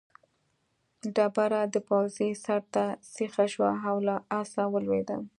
ډبره د پوځي سر ته سیخه شوه او له آسه ولوېد.